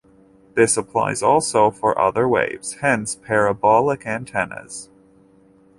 This applies also for other waves, hence parabolic antennas.